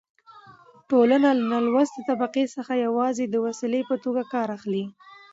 ټولنه له نالوستې طبقې څخه يوازې د وسيلې په توګه کار اخلي.